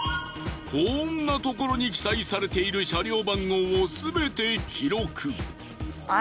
こんなところに記載されている車両番号を全て記録。